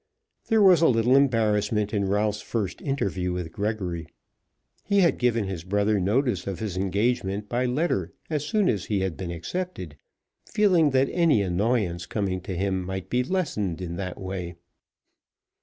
There was a little embarrassment in Ralph's first interview with Gregory. He had given his brother notice of his engagement by letter as soon as he had been accepted, feeling that any annoyance coming to him, might be lessened in that way.